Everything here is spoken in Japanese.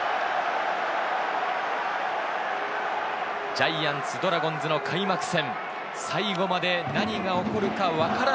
ジャイアンツ、ドラゴンズの開幕戦。